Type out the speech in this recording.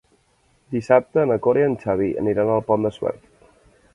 Dissabte na Cora i en Xavi aniran al Pont de Suert.